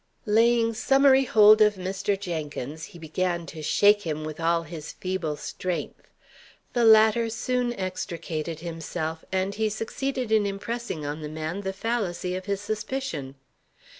Laying summary hold of Mr. Jenkins, he began to shake him with all his feeble strength. The latter soon extricated himself, and he succeeded in impressing on the man the fallacy of his suspicion.